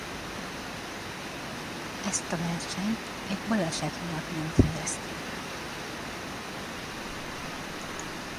Ezt a versenyt egy baleset miatt nem fejezte be.